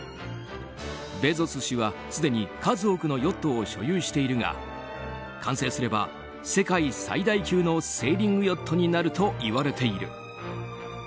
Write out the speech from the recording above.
ベゾス氏はすでに数多くのヨットを所有しているが完成すれば世界最大級のセーリングヨットになるといわれている。